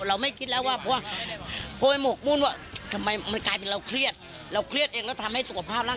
เราไม่คิดแล้วว่าเพราะว่า